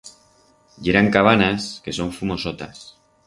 Yeran cabanas que son fumosotas.